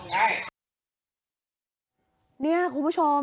พอหลังจากเกิดเหตุแล้วเจ้าหน้าที่ต้องไปพยายามเกลี้ยกล่อม